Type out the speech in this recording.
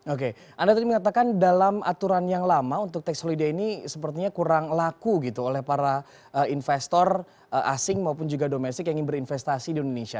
oke anda tadi mengatakan dalam aturan yang lama untuk tax holiday ini sepertinya kurang laku gitu oleh para investor asing maupun juga domestik yang ingin berinvestasi di indonesia